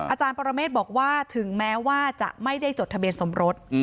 อาจารย์ปรเมฆบอกว่าถึงแม้ว่าจะไม่ได้จดทะเบียนสมรส